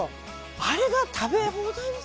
あれが食べ放題です。